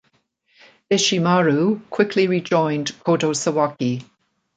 Deshimaru quickly rejoined Kodo Sawaki.